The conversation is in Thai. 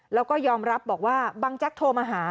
แล้วก็ยอมรับบอกว่าบังแจ๊กโทรมาหา